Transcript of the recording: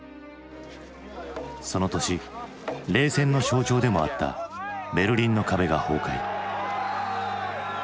その年冷戦の象徴でもあったベルリンの壁が崩壊。